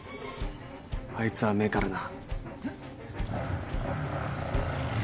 あいつは甘えからな。